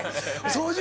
掃除